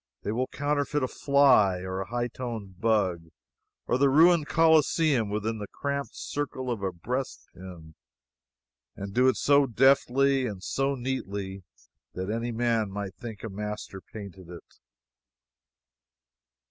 They will counterfeit a fly, or a high toned bug, or the ruined Coliseum, within the cramped circle of a breastpin, and do it so deftly and so neatly that any man might think a master painted it.